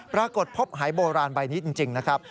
พระกฎพบหายโบราณไปหนิจริงครับ